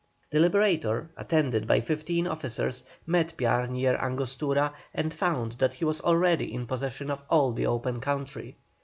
The Liberator, attended by fifteen officers, met Piar near Angostura and found that he was already in possession of all the open country.